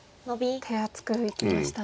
手厚くいきましたね。